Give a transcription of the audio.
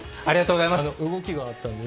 ありがとうございます。